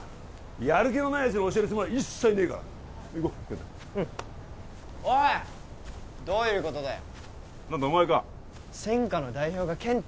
やる気のないやつに教えるつもりは一切ねえから行こう健太うんおいどういうことだよ何だお前か専科の代表が健太？